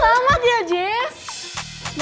selamat ya jess